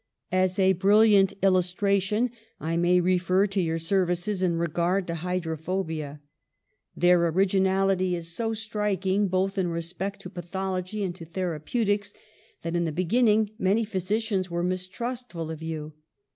"As a brilliant illustration, I may refer to your services in regard to hydrophobia. Their originality is so striking, both in respect to pathology and to therapeutics, that in the be ginning many physicians were mistrustful of you.